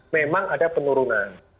memang ada penurunan